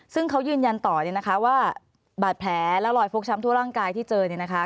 ซึ่งเขายืนยันต่อเนี่ยนะคะว่าบาดแผลและรอยฟกช้ำทั่วร่างกายที่เจอเนี่ยนะคะ